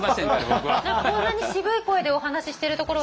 こんなに渋い声でお話ししてるところ